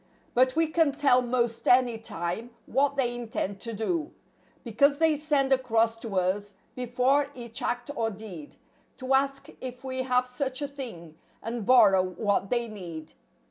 But we can tell 'most any time what they intend to do, Because they send across to us, before each act or deed To ask if we have such a thing, and borrow what they ^need.